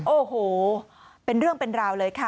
โอ้โหเป็นเรื่องเป็นราวเลยค่ะ